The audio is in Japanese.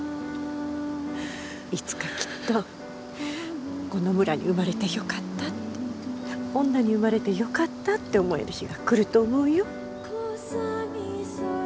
いつかきっとこの村に生まれてよかったって女に生まれてよかったって思える日が来ると思うよ。